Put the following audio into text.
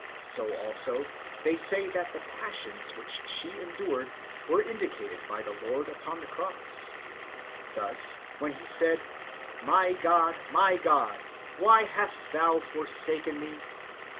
Then, also, they say that the passions which she endured were indicated by the Lord upon the cross. Thus, when He said, ^' My God, my God, why hast Thou forsaken me?"